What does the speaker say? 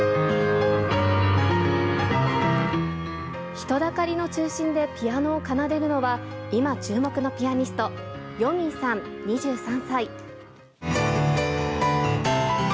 人だかりの中心でピアノを奏でるのは、今注目のピアニスト、よみぃさん２３歳。